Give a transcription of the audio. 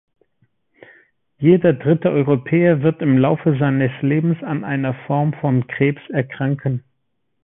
Jeder dritte Europäer wird im Laufe seines Lebens an einer Form von Krebs erkranken.